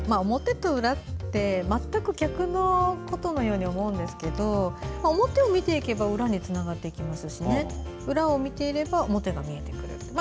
表と裏って全く逆のことのように思うんですけど表を見ていけば裏につながっていきますし裏を見ていれば表が見えてくる。